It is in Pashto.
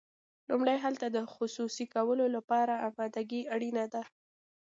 لومړی هلته د خصوصي کولو لپاره امادګي اړینه ده.